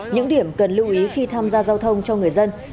những điểm cần lưu ý khi tham gia giao thông cho người dân